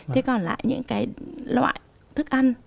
thế còn lại những cái loại thức ăn